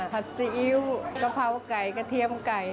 ซีอิ๊วกะเพราไก่กระเทียมไก่